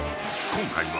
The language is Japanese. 今回は。